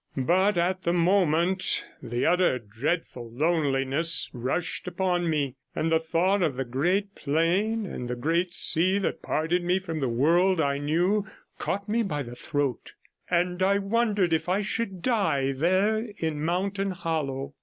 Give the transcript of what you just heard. But at the moment, the utter, dreadful loneliness rushed upon me, and the thought of the great plain and the great sea that parted me from the world I knew caught me by the throat, and I wondered if I should die there in mountain hollow.